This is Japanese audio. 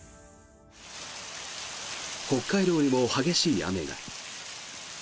北海道でも激しい雨が。